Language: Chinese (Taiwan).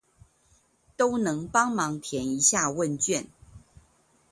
都能幫忙填一下問卷